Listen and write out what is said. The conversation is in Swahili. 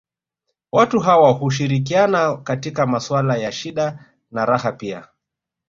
Watu hawa hushirikiana katika maswala ya shida na raha pia